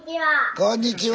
こんにちは。